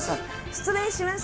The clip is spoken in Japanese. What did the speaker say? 失礼します！